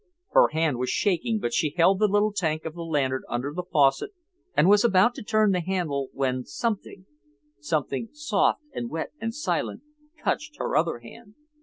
Her hand was shaking but she held the little tank of the lantern under the faucet and was about to turn the handle when something—something soft and wet and silent—touched her other hand.